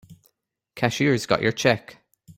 Cashier's got your check.